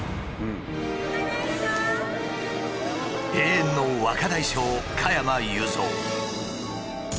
永遠の若大将加山雄三。